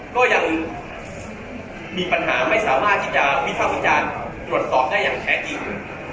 ก็ยังมีปัญหาไม่สามารถที่จะวิภาควิจารณ์ตรวจสอบได้อย่างแท้จริง